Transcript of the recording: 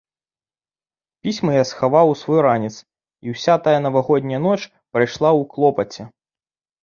Пісьмы я схаваў у свой ранец, і ўся тая навагодняя ноч прайшла ў клопаце.